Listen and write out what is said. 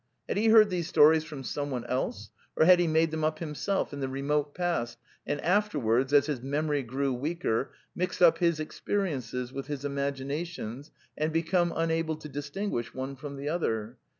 Had he heard these stories from someone else, or had he made them up himself in the remote past, and afterwards, as his memory grew weaker, mixed up his experiences with his imaginations and be come unable to distinguish one from the other?